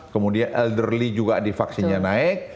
kemudian elderly juga di vaksinnya naik